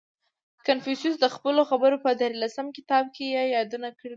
• کنفوسیوس د خپلو خبرو په دیارلسم کتاب کې یې یادونه کړې ده.